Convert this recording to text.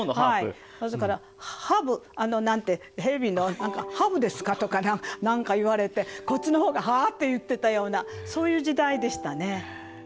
それからハブなんて「蛇のハブですか？」とか何か言われてこっちの方が「はあ？」って言ってたようなそういう時代でしたね。